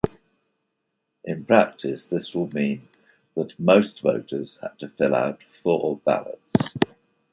In practice this will mean that most voters had to fill out four ballots.